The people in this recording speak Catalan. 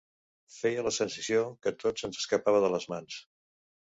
Feia la sensació que tot se'ns escapava de les mans.